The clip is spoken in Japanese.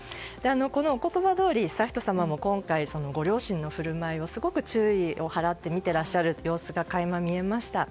このお言葉どおり悠仁さまも、今回ご両親のふるまいをすごく注意を払って見てらっしゃる様子が垣間見えました。